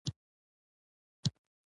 د باران پر ځای له وریځو، تندرونه راکوزیږی